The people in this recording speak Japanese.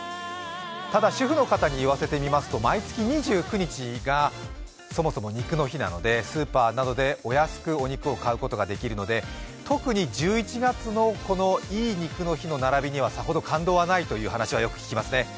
ただ主婦の方に言わせてみますと毎月２９日がそもそも、にくの日なのでスーパーなどでお安く肉を買うことができるので特に１１月のこのいい肉の日の並びにはさほど感動はないという話はよく聞きますね。